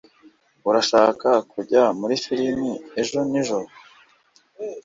Urashaka kujya muri firime ejo nijoro?